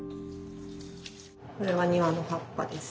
これは庭の葉っぱです。